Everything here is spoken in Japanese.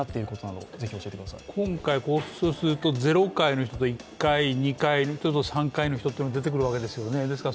今回、ひょっとすると０回の人と１回、２回、３回の人が出てくるわけですよね。